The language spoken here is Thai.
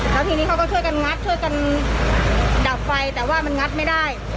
แล้วทีนี้เขาก็ช่วยกันงัดช่วยกันดับไฟแต่ว่ามันงัดไม่ได้